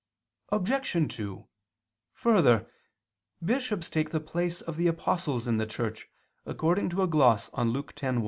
Obj. 2: Further, bishops take the place of the apostles in the Church, according to a gloss on Luke 10:1.